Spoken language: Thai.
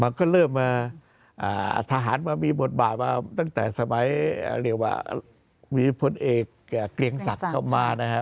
มันก็เริ่มมาทหารมามีบทบาทมาตั้งแต่สมัยเรียกว่ามีพลเอกเกรียงศักดิ์เข้ามานะฮะ